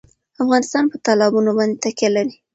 افغانستان په تالابونه باندې تکیه لري.